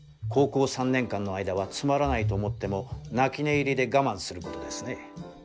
高校３年間の間はつまらないと思っても泣き寝入りで我慢することですね。